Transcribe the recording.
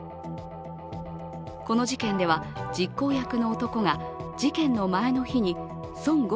この事件では、実行役の男が事件の前の日に孫悟